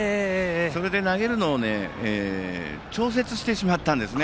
それで投げるのを調節してしまったんですね。